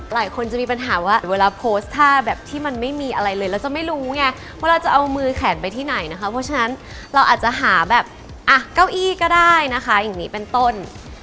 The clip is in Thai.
หลายคนจะมีปัญหาว่าเวลาโพสต์ท่าแบบที่มันไม่มีอะไรเลยเราจะไม่รู้ไงว่าเราจะเอามือแขนไปที่ไหนนะคะเพราะฉะนั้นเราอาจจะหาแบบอ่ะเก้าอี้ก็ได้นะคะอย่างนี้เป็นต้น